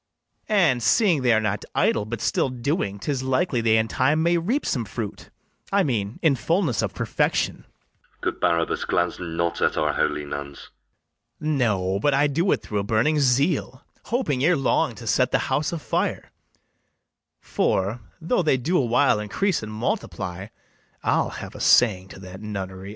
] And, seeing they are not idle, but still doing, 'Tis likely they in time may reap some fruit, I mean, in fullness of perfection. LODOWICK. Good Barabas, glance not at our holy nuns. BARABAS. No, but I do it through a burning zeal, Hoping ere long to set the house a fire; For, though they do a while increase and multiply, I'll have a saying to that nunnery.